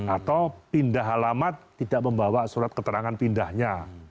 atau pindah alamat tidak membawa surat keterangan pindahnya